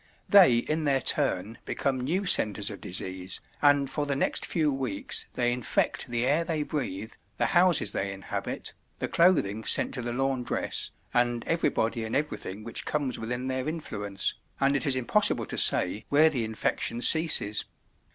They in their turn become new centres of disease, and for the next few weeks they infect the air they breathe, the houses they inhabit, the clothing sent to the laundress, and everybody and everything which comes within their influence, and it is impossible to say where the infection ceases.